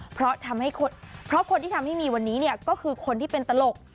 เพราะคนที่ทำให้มีวันนี้นี่คือคนที่เป็นตลก